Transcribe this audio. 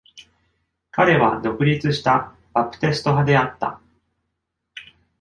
彼は独立したバプテスト派であった。